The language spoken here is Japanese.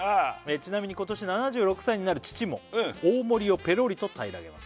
「ちなみに今年７６歳になる父も大盛りをぺろりと平らげます」